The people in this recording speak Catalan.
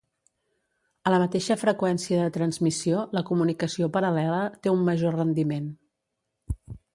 A la mateixa freqüència de transmissió, la comunicació paral·lela té un major rendiment.